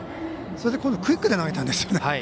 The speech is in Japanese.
それで、クイックで投げたんですよね。